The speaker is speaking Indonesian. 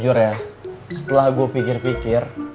jujur ya setelah gue pikir pikir